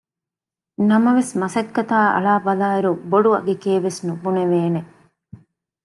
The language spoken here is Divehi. ނަމަވެސް މަސައްކަތާ އަޅާބަލާއިރު ބޮޑު އަގެކޭ ވެސް ނުބުނެވޭނެ